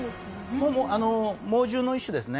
これもう猛獣の一種ですね。